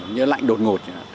như lạnh đột ngột